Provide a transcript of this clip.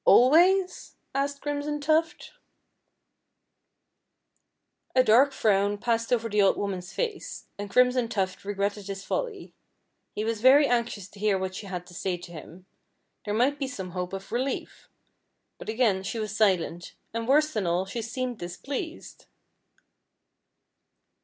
"Always?" asked Crimson Tuft. A dark frown passed over the old woman's face, and Crimson Tuft regretted his folly. He was very anxious to hear what she had to say to him. There might be some hope of relief. But again she was silent; and, worse than all, she seemed displeased.